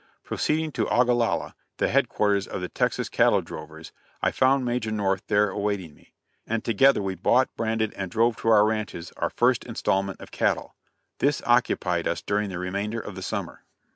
Proceeding to Ogalalla, the headquarters of the Texas cattle drovers, I found Major North there awaiting me, and together we bought, branded and drove to our ranches, our first installment of cattle. This occupied us during the remainder of the summer.